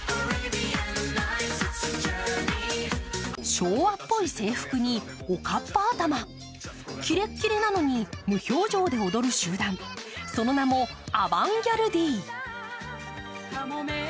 昭和っぽい制服におかっぱ頭、キレッキレなのに無表情で踊る集団、その名もアバンギャルディ。